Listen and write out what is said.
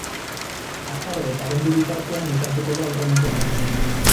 Azaro eta abendu bitartean jokatuko da aurreneko fasea.